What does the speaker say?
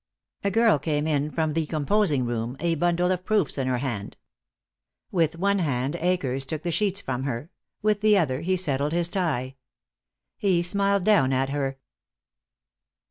A girl came in from the composing room, a bundle of proofs in her hand. With one hand Akers took the sheets from her; with the other he settled his tie. He smiled down at her.